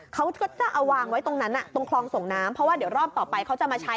เขาก็จะเอาวางไว้ตรงนั้นตรงคลองส่งน้ำเพราะว่าเดี๋ยวรอบต่อไปเขาจะมาใช้